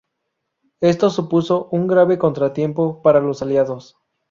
Esto supuso un grave contratiempo para los aliados.